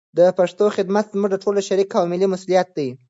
د پښتو خدمت زموږ د ټولو شریک او ملي مسولیت دی.